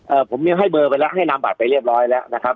ผมให้เบอร์ไปแล้วให้นำบัตรไปเรียบร้อยแล้วนะครับ